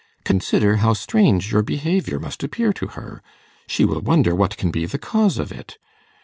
Consider how strange your behaviour must appear to her. She will wonder what can be the cause of it.